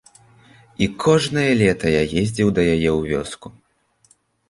І кожнае лета я ездзіў да яе ў вёску.